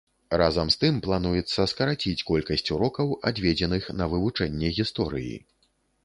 Разам з тым, плануецца скараціць колькасць урокаў, адведзеных на вывучэнне гісторыі.